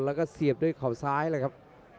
แล้วก็เสียบด้วยเขาซ้ายเลยครับ